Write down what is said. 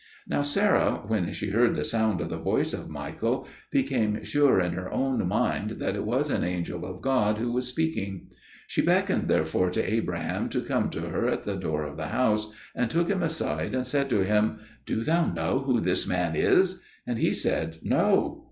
Now Sarah, when she heard the sound of the voice of Michael, became sure in her own mind that it was an angel of God who was speaking. She beckoned therefore to Abraham to come to her at the door of the house, and took him aside and said to him, "Do you know who this man is?" and he said, "No."